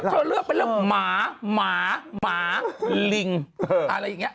เธอเลือกเป็นเรื่องหมาหมาหมาลิงอะไรอย่างนี้